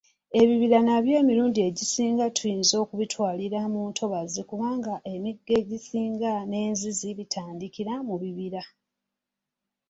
Ebibira nabyo emirundi egisinga tuyinza okubitwalira mu ntobazi kubanga emigga egisinga n'enzizzi bitandiikira mu bibira